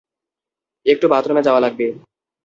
একটু বাথরুমে যাওয়া লাগবে।